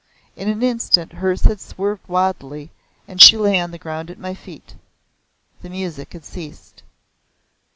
In an instant hers had swerved wildly, and she lay on the ground at my feet. The music had ceased.